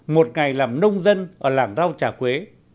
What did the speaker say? một ngày làm nông dân ở làng rau trà quế